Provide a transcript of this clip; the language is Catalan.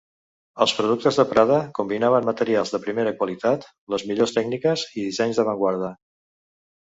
Els productes de prada combinaven materials de primera qualitat, les millors tècniques, i dissenys d'avantguarda.